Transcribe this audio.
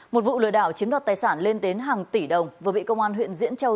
một vụ lừa đảo chiếm đoạt tài sản lên đến hàng tỷ đồng vừa bị công an huyện diễn châu